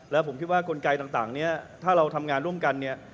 แล้วผมคิดว่ากลไกต่างนี้ถ้าเราทำงานร่วมกันเนี่ย